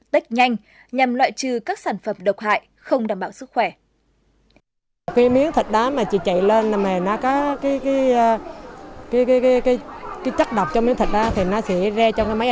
test nhanh nhằm loại trừ các sản phẩm độc hại không đảm bảo sức khỏe